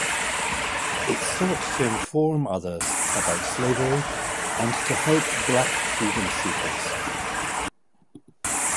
It sought to inform others about slavery and to help black freedom seekers.